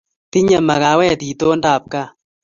Tinye makawet itondo ab kaa